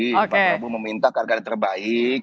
pak prabowo meminta karakter terbaik